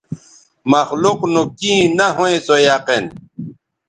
مخلوق نو کیں نہ ھویں سو یقین